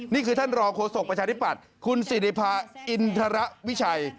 นี่คือท่านรองโฆษกประชาธิปัตย์คุณสิริภาอินทรวิชัย